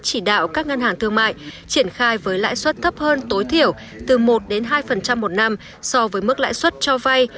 chỉ đạo các ngân hàng thương mại triển khai với lãi suất thấp hơn tối thiểu từ một hai một năm so với mức lãi suất cho vay